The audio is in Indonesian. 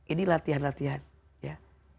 ini latihan latihan ya